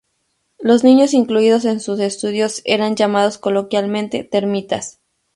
Los niños incluidos en sus estudios eran llamados coloquialmente "termitas".